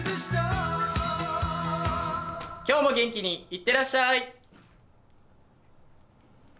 今日も元気にいってらっしゃい！